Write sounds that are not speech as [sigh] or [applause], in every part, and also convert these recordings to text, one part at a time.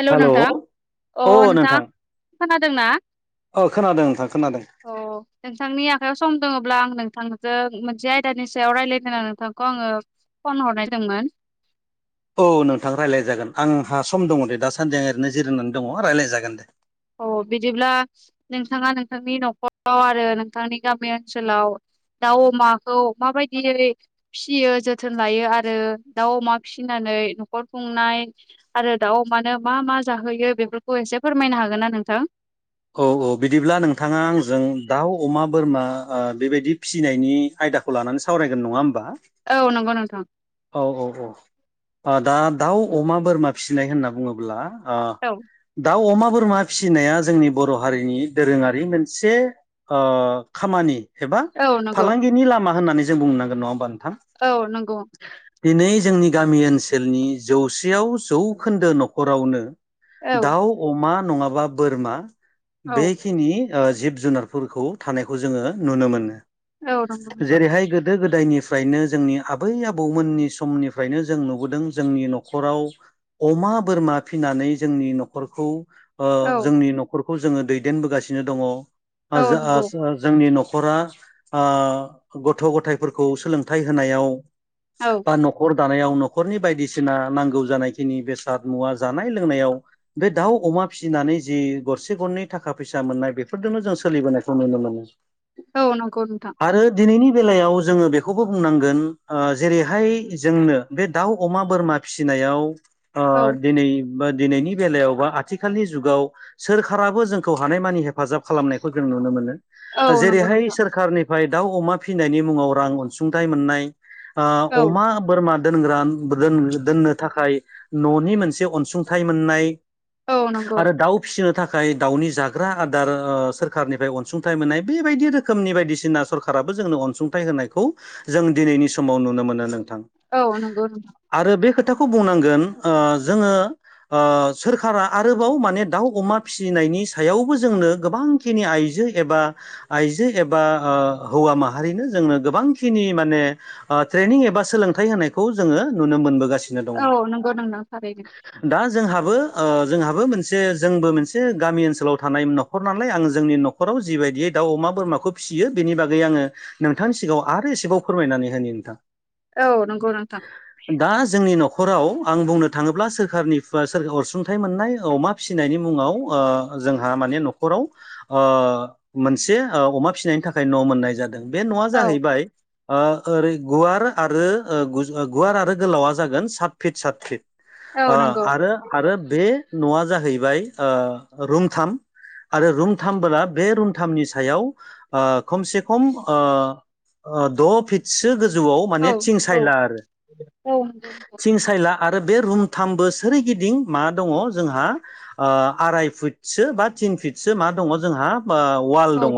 हेल' hello नोंथां औ अ नोंथाङा खोनादों ना? अ खोनादों नोंथां खोनादों अ नोंथांनि आखाइायाव सम दङब्ला आं नोंथां जों मोनसे आयदानि सायाव रायज्लायनो आं नोंथांखौ आङो फन हरनायदोंंमोन औ नोंथां रायलायजागोन आंहा सम दङ दे दाासानदि ओरैनो जिरायनानै दङ रायलायजागोन दे औ बिदिब्ला नोंथाङा नोंथांनि न'खर आरो नोंथांनि गामि ओनसोलाव दाउ अमाखौ माबायदियै फिसियो जोथोन लायो आरो दाउ अमा फिसिना नै नखर खुंनाय आरो दाउ अमानो मा मा जाहोयो बेफोरखौ एसे फोरमायना हो [unintelligible] नोंथां औ औ बिदिब्ला नोंथाङा आंजों दाउ अमा बोरमा ओ बेबायदि फिसिनायनि आ यदा लानानै सावरायगोन नङा होम औ नंगौ नोंथां। औ औ औ दा दाउ अमा बोरमा फिसिनाय होनना बुङोब्ला आ औ दाउ अमा बोरमा फिसिनाया जोंनि बर' हारिनि दोरोङारि मोनसे ओ खामानि एबा औ नंगौ फालांगिनि लामा होननानै जों बुंनोनांगोन नङा होमबा नों औ नंगौ। दिनै जोंनि गामि ओनसोलनि जौसेयाव जौखोन्दो न'खरावनो औ दाउ अमा नङाबा बोरमा औ बेखिनि ओ जिब जुनारफोरखौ थानायखौ जोङो नुनो मोनो। औ नंगौ नोंथां जेरैहाय गो दो गोदायनिफ्रायनो जोंनि आब बै आबौमोननि समनिफ्रायनो जों नुबोदों जोंनि न'खराव अमा बोरमा फिना नै जोंनि न'खरखौ ओ औ जोंनि न'खरखौ जोङो दैदेनबोगासिनो दङ ओ औ नंगौ जास जा जोंनि न खरा ओ गथ' गथायाइफोरखौ सोलोंथाइ होनायाव औ बा न'खर दानायाव न' खरनि बायदिसिना नांगौ जानायखिनि बेसाद मुवा जानाय लोंनायाव बे दाउ अमा फिनानै जि गरसे गरनै थाखा फैसा मोननाय बेफोरजोंनो जों सोलिबोनायखौ नुनो मोनो। औ नंगौ नोंथां। आरो दिनैनि बेलायाव जोङो बेखौबो बुंनांगोन ओ जेरैहाय जोंनो बे दाउ अमा बोरमा फिसिनायाव ओ औ दिनै बा दिनैनि बेलायाव बा आथिखालनि जुगाव सोरखाराबो जोंखौ हानायमानि हेफाजाब खालामनायखौ जों नुनो मोनो। औ नंगौ जेरैहाय नोंथां सोरखारनिफ्राय दाउ अमा फिनायनि मुङाव रां अनसुंथाइ मोननाय औ ओ अमा बोरमा दोनग्रा दोन दोननो थाखाय न'नि मोनसे अनसुंथाइ मोननाय औ नंगौ आरो दाउ फिसिनो था खाय दाउनि जाग्रा आदार ओ सोरखारनिफ्राय अनसुंथाइ मोननाय बेबायदि रोखोमनि बायदिसिना सरखाराबो जोंनो अनसुंथाइ होनायखौ जों दिनैनि समाव नुनो मोनो नोंथां औ नंगौ नोंथां आरो बे खोथा खौ बुंनांगोन ओ जोङो ओ सोरखारा आरोबाव माने दाउ अमा फिसिनायनि नि सायावबो जोंनो गोबांखिनि आइजो एबा आइजो एबा ओ हौवा माहारिनि जोंनो गोबांखिनि माने ओ ट्रेनिं एबा सोलोंथाइ होनायखौ जोङो नुनो मोनबोगा सिनो दङ। औ नंगौ नोंथां थारैनो दा जोंहाबो ओ जोंहाबो मोनसे जोंबो मोनसे गामि ओनसोलाव थानाय न'खर नालाय आं जोंनि न'खराव जिबायदियै दाउ अमा बोरमाखौ फिसियो बेनि बागै आङो नोंथांनि सिगाङाव आरो एसेबाव फोरमायनानै होनि नोंथां औ नंगौ नोंथां। हराव आं बुंनो थाङोब्ला सोरखारनिफाइ सोर अनसुंथाइ मोननाय अमा फिसिनायनि मुङाव ओ जोंहा माने न'खराव ओ मोनसे ओ अमा फिनायनि थाखाय न' मोननाय जा दों। बे न'आ औ जाहैबाय ओ ओरै गुवार आरो ओ गुज ओ गुवार आरो गोलावा जागोन सात फिट सात फिट औ ओ नंगौ आरो आरो बे न'आ जाहैबाय ओ रुमथाम आरो रुमथामबोला बे रुमथामनि सायाव ओ खमसेखम ओ ओ द' फितसो गो जौआव औ माने थिं औ सायला आरो। औ नंगौ नोंथां थिं सायला आरो बे रुमथामबो सोरिगिदिं मा दङ जोंहा ओ आराय फुटसो बा टिन फिटसो मा दङ जोंहा ओ वाल औ दङ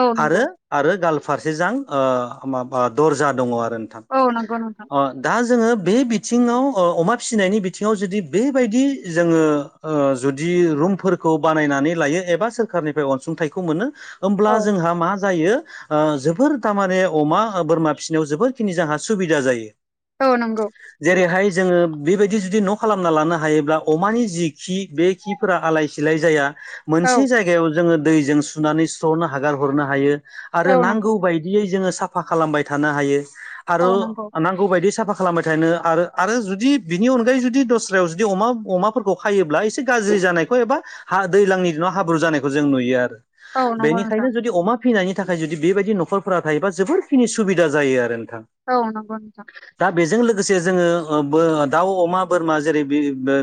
औ आरो नंगौ आरो गाल फारसे जां ओ माबा दर्जा दङ आरो नोंथां। औ नंगौ नोंथां अ दा जोङो बे बिथिङाव अ अमा फिसिनायनि बिथिङाव जुदि बेबायदि जोङो ओ जुदि रुमफोरखौ बानायनानै लायो एबा सोरखारनिफ्राय अनसुंथाइखौ मोनो होमब्ला औ जोंहा मा जायो जोबोर थारमाने अमा बोरमा फिसिनायाव जोबोरखिनि जोंहा सुबिदा जायो। औ नंगौ। जेरैहाय जोङो बेबायदि जुदि न' खालामना लानो हायोब्ला अमानि जि खि बे खिफोरा आलाय सिलाय जाया। औ मोनसे जायगायाव जोङो दैजों सुनानै सुथ्र'नो हगार हरनो हायो। आरो औ नांगौ नंगौ बायदियै जोङो साफा खालामबाय थानो हायो औ आरो नंगौ नांगौ बायदियै साफा खालामबाय थानो आरो आरो जुदि बिनि अनगायै जुदि दस्रायाव जुदि अमा अमाफोरखौ खायोब्ला एसे गाज्रि जानायखौ एबा हा दैजलांनि दिनाव हाब्रु जानायखौ जों नुयो आरो। औ नंगौ नोंथां बेनिखायनो जुदि अमा फिनायनि थाखाय जुदि बेबायदि न'खरफोरा थायोबा जोबोर फिनि सुबिदा जायो आरो। नोंथां औ नोंथां। दा बेजों लोगोसे जोङो ओ बो दाउ अमा बोरमा जेरै बे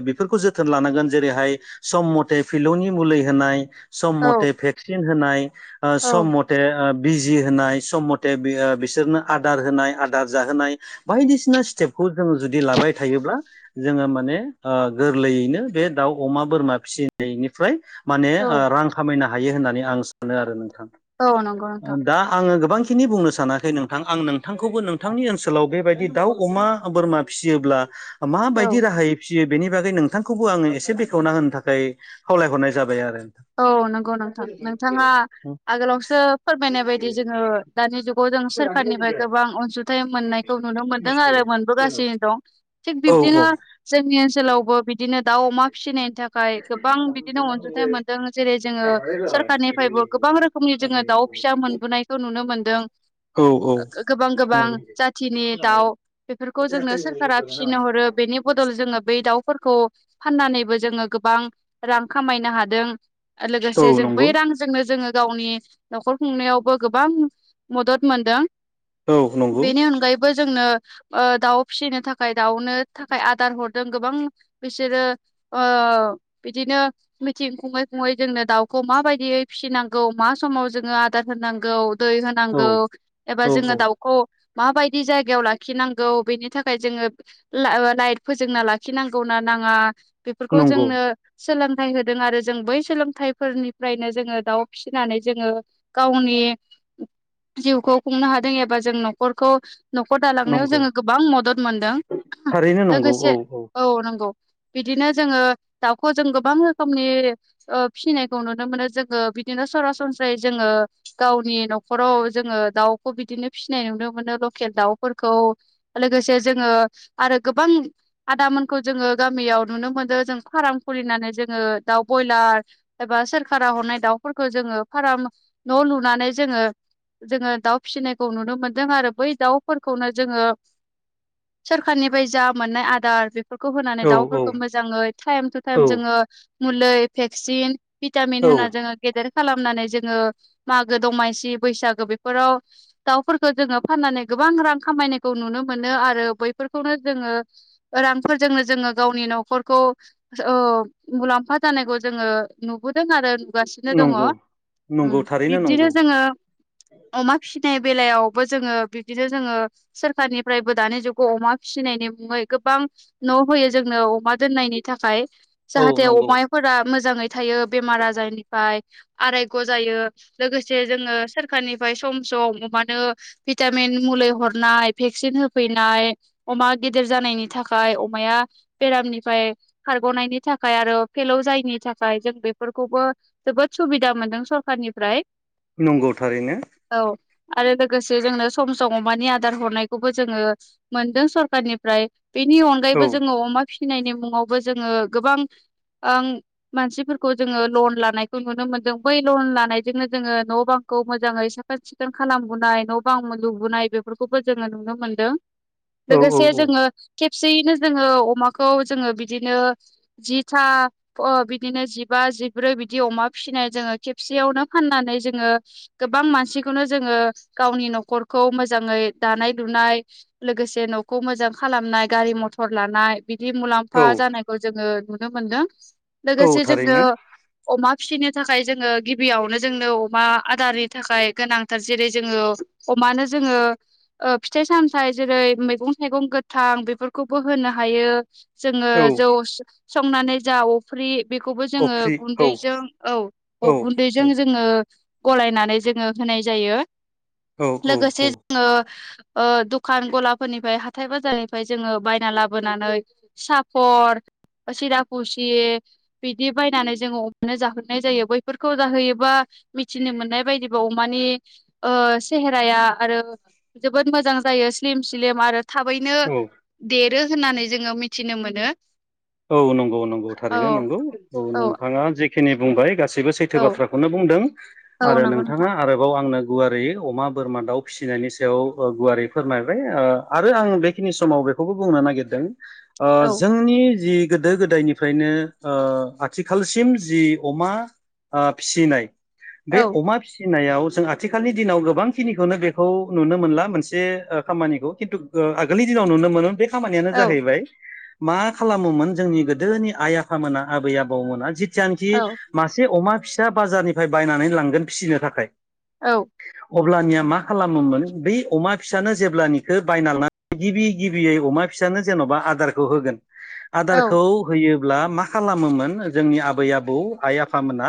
बेफोरखौ जोथोन लानांगोन जेरैहाय सम मथे फिलौनि मुलि होनाय सम औ मथे भेक्सिन होनाय औ सम मथे बिजि होनाय सम मथे बिसोरनो आदार होनाय आदार जाहोनाय बायदिसिना स्टेपखौ जोङो जुदि लाबाय थायोब्ला। जोङो माने ओ गोरलैयैनो बे दाउ अमा बोरमा फिसिनायनिफ्राय माने ओ औ रां खामायनो हायो होननानै आं सानो आरो नोंथां औ नंगौ नोंथां दा आङो गोबां बखिनि बुंनो सानाखै नोंथां आं नोंथांखौबो नोंथांनि ओनसोलाव बेबायदि दाउ अमा बोरमा फिसियोब्ला औ माबायदि राहायै फिसियो बेनि बागै नोंथांखौबो आङो एसे बेखेवना होनो थाखाय खावलायहरनाय जाबाय आरो। औ नंगौ नोंथां नोंथाङा आगोलावसो फोरमायनाय बायदि जोङो दानि जुग जों सोरखारनिफ्राय गोबां अनसुं थाइ मोननायखौ नुनो मोनदों आरो मोनबोगासिनो दं थिग बिब्दिनो जोंनि ओनसोलावबो बिदिनो दाउ अमा फिसिनायनि थाखाय गोबां बिदिनो अनसुंथाइ मोन जेरै जोङो सोरखारनिफ्रायबो गोबां रोखोमनि जोङो दाउ फिसा मोनबोनायखौ नुनो मोनदों। औ गोबां औ गोबां जाथिनि दाउ बेफोरखौ जोंनो सोरखारा फिसिनो हरो। बेनि बदल जोङो बै दाउफोरखौ फाननानैबो जोङो गोबां रां खामायनो हादों औ लोगोसे जों बै नंगौ रांजोंनो जोङो गावनि न'खर खुंनायावबो गोबां मदद मोनदों औ नंगौ बेनि अनगायैबो जोंनो दाउ फिसिनो थाखाय दाउनो थाखाय आदार हरदों गोबां बिसोरो ओ औ बिदिनो मिथिं खंबाय ओ फङै जोंनो दाउखौ माबायदियै फिसिनांगौ मा समाव जोङो आदार होनांगौ दै औ होनांगौ एबा औ जोङो औ दाउखौ माबायदि जायगायाव लाखिनांगौ बेनि थाखाय जोङो लाइट फोजोंना लाखिनांगौ ना ओ बेफोरखौ नंगौ जोंनो सोलोंथ होदों आरो जों बै सोलोंथाइफोरनिफ्रायनो जोङो दाउ फिसिनानै जोङो गावनि जिउखौ खुंनो हादों एबा जों न'खरखौ न'खर दालांनायाव नंगौ जोङो गोबां मदद मोनदों। थारैनो नंगौ औ लोगोसे औ नंगौ बिदिनो जोङो दाउखौ जों गोबां रोखोमनि फिसिनायखौ नुनो मोनो जोङो बिदिनो सरासनस्रायै जोङो गावनि न'खराव जोङो दाउखो बिनो फसिनाय नुनोेमोनो रखेल दाउ फोरखौ लोगोसे जोंङो आरो गो गोबां आदामोनखौ जोङो गामियाव नुनो मोनो जों फाराम खुलिनानै जोङो दाउ बयलार गोबां एबा सोरखारा हरनाय दाउफोरखौ जोङो फाराम न' लुनानै जोङो जोङो दाउ फिसिनायखौ नुनो मोनदों आरो बै दाउफोरखौनो जोङो सोरखारनिफ्राय जा मोननाय आदार बे फोरखौ होनानै औ औ दाउफोरखौ मोजाङै टाइम टाइम औ जोङो मुलि भेक्सिन भिटामिन औ होना जोङो गेेर खालामनानै जोङो मागो दमासि बैसागो बेफोराव दाउफोरखौ जोङो फाननानै गोबां रां खामायनायखौ नुनो मोनो आरो बैफोरखौनो जोङो रांफोरजोंनो जोङो गावनि न' खरखौ ओ मुलामफा जानायखौ जोङो नुबोदों आरो नुगासिनो दंङ नंगौ ओम नंगौ थारैनो बिदिनो नंगौ जोङो अमा फिसिनाय बेलायावबो जोङो बिदिनो जोङो सोरखारनिफ्रायबो दानि जुगाव अमा फिसिनायनि मुङै गोबां न' होयो जोंनो अमा दोननायनि थाखाय औ जाहाथे नंगौ अमाफोरा मोजाङै थायो बेमार आजारनिफ्राय आरायग' जायो लोगोसे जोङो सोरखारनिफ्राय सम सम अमानो भिटामिन मुलि हनाय भेकसिन होफैनाय अमा गेदेर जानायनि थाखाय अमाया बेरामनिफ्राय खारग'नायनि थाखाय आरो फेलौ जायैनि थाखाय जों बेफोरखौबो जोबोद सुबिदा मोनदों सरखारनिफ्राय। नंगौ थारैनो। औ आरो लोगोसे जोंनो सम सम अमानि आदार हरनायखौबो जोङो मोनदों सरखारारनिफ्राय। बेनि औ अनगायैबो जोङो अमा फिसिनायनि मुङावबो जोङो गोबांं ओं मानसिफोरखौ जोङो लन लानायखौ नुनो मोनदों। बै लन लानायजोंनो जोङो न' बांखौ मोजाङै साखोन सिखोन खालामबोनाय न' बां लुबोनाय बेफोरखौबो जोङो नुनो मोनदों। औ औ लोगोसे औ जोङो थिख खेबसेयैनो जोङो अमाखौ जोङो बिदिनो जिथा अ बिदिनो जिबा जिब्रै बिदि अमा फिसिनाय जोङो खेबसेयावनो फाननानै जोङो गो बां मानसिखौनो जोङो गावनि न'खरखौ मोजाङै दानाय लुनाय लोगोसे न खौ मोजां खालामनाय गारि मथर लानाय बिदि मुलामफा औ जानायखौ जोङो नुनो मोनदों। औ लोगोसे जोंनो थारैनो अमा फिसिनो थाखाय जोङो गिबियावनो जोंनो अमा आदारनि थाखाय गोनांथार जेरै जोङो मानो जोङो ओ फिथाइ सामथायाइ जेरै मैगं थाइगं गोथां बेफोरखौबो होनो हायो। जोङो औ जौ संनानै जा अफ्रि बेखौबो जोङो अफ्रि औ गुनदैजों औ गुन्दैजों जोङो गलायनानै जोङो होनाय जायो औ लोगोसे जोङो ओ दखान गलाफोरनिफ्राय हाथाय बाजारनिफ्राय जोङो बायना लाबोनानै सापर सिराखुसि बिदि बायनानै जोङो अमानो जाहोनाय जायो बैफोरखौ जाहोयोबा मिथिनो मोननाय बायदिबा अमानि ओ सेहेराया आरो जोबोद मोजां जायो स्लिम स्लिम आरो थाबैनो औ देरो होननानै जोङो मिथिनो मोनो। औ नंगौ नंगौ औ थारैनो नंगौ औ नोंथाङा जेखिनि बुंबाय गासै बो सैथो औ बाथ्राखौनो बुंदों औ आरो नंगौ नोंथाङा नोंथां आरोबाव आंनो गुवारै अमा बोरमा दाउ फिसिनायनि सायाव ओ गुवारै फोरमायबाय आरो आं बेखिनि समाव बेखौबो बुंनो नागिरदों ओ औ जोंनि जि गोदो गोदायनिफ्रायनो ओ आथिखालसिम जि अमा ओ फिसिनाय बे औ अमा फिसिनायाव जों आथिखालनि दिनाव गोबांखिनिखौनो बेखौ नुनो मोनला मोनसे खामानिखौ। खिन्थु आगोलनि समाव नुनो मोनोमोन, बे खामानिानो औ जाहैबाय मा खालामोमोन जोंनि गोदोनि आइ आफामोना आबै आबौमोना जिथियानोखि मासे अमा फिसा बाजारनिफ्राय बायनानै लांगोन फिसिनो थाखाय औ। अब्लानिया मा खालामोमोन बै अमा फिसानो जेब्लानिखौ बायना लाबोनानै गिबि गिबियै अमा फिसानो जेन'बा आदारखौ होगोन। औ आदारखौ होयो अब्ला मा खालामोमोन जोंनि आबै आबौ आइ आफामोना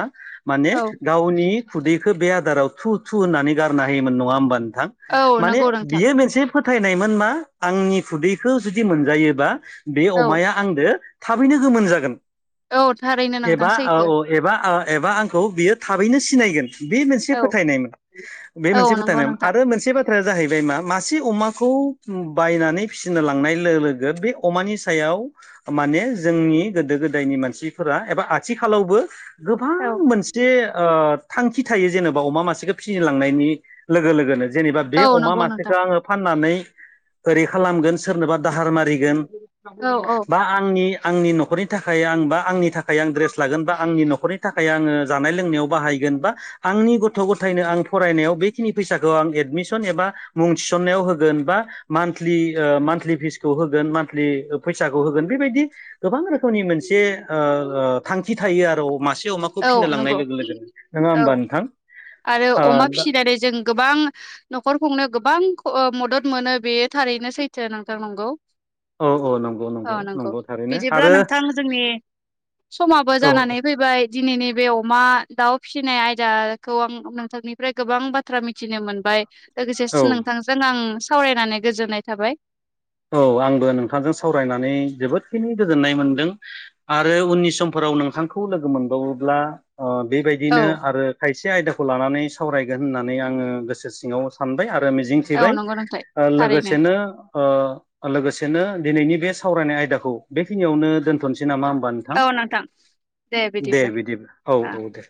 माने औ गावनि खुदैखौ बे आदाराव थु थु होननानै गारना हायोमोन नङा होमबा नोंथां? औ माने नंगौ नोंथां बियो मोनसे फोथायनायमोन मा आंनि खुदैखौ जुदि मोनजायोबा बे औ अमाया आंजों थाबैनो गोमोन जागोन औ थारैनो नोंथां एबा सैथो औ एबा ओ एबा आंखौ बियो थाबैनो सिनायगोन बे मोनसे औ फोथायनायमोन बे औ मोनसे नंगौ फोथायनायमोन नोंथां आरो मोनसे बा जाहैबाय मा मासे अमाखौ बायनानै फिसिनो लांनाय लोगो लोगो बे अमानि सायाव माने जोंनि गोदो गोदायनि मानसिफोरा एबा आथिखालावबो औ गोबां मोनसे ओ थांखि थायो जेनेबा अमा मासेखौ फिनोलांनायनि लोगो लोगोनो जेनेबा बे औ अमा नंगौ नोंथां मासेखौ आङो फाननानै ओरै खालामगोन सोरनोबा दाहार मा [inaudible] बा आंनि आंनि न'खरनि थाखाय आं बा आंनि थाखाय आं ड्रेस लागोन बा आंनि न'खरनि थाखाय आङो जानाय लोंनायाव बाहायगोन बा आंनि गथ' गथायनो आं फरायनायाव बेखिनि फैसाखौ आं एडमिसन एबा मुं थिसनायाव होगोन बा मान्थलि ओ मान्थलि फिसखौ होगोन मान्थलि फैसाखौ होगोन बेबायदि गोबां रोखोमनि मोनसे ओ थांखि थायो आरो मासे अमाखौ औ फिनो लांनाय नंगौ लोगो लोगोनो नङा होमबा औ नोंथां। आरो ओ अमा दा फिनानै जों गोबां न'खरखौनो गोबां मद'द मोनो बेयो थारैनो सैथो नोंथां नंगौ। औ औ नंगौ औ नंगौ थारैनो बिदिब्ला आरो नोंथां जोंनि समाबो औ जानानै फैबाय दिनैनि बे अमा दाउ फिसिनाय आयदाखौ आं नोंथांनिफ्राय गोबां बाथ्रा मिथिनो मोनबाय। लोगोसे औ सि नोंथांजों आं सावरायनानै गोजोननाय थाबाय। औ आंबो नोंथांजों सावरायनानै जोबोदखिनि गोजोननाय मोनदों आरो उननि समफोराव नोंथांखौ लोगो मोनबावोब्ला ओ औ बेबायदिनो आरो खायसे आयदाखौ लानानै सावरायगोन होननानै आङो गोसो सिङाव सानबाय आरो मिजिं औ थिबाय नंगौ नोंथां ओ थारैनो लोगोसेनो ओ लोगोसेनो दिनैनि बे सावरायनाय आयदाखौ बेखिनियावनो दोनथ'नोसै। नामा होमबा नोंथां दे बिदिब्ला औ औ दे।